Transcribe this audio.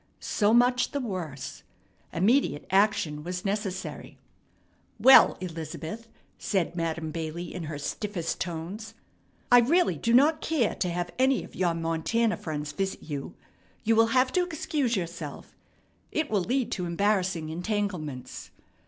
So much the worse. Immediate action was necessary. "Well, Elizabeth," said Madam Bailey in her stiffest tones, "I really do not care to have any of your Montana friends visit you. You will have to excuse yourself. It will lead to embarrassing entanglements.